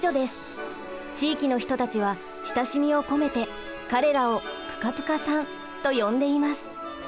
地域の人たちは親しみを込めて彼らをぷかぷかさんと呼んでいます。